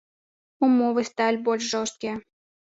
Умовы сталі больш жорсткія.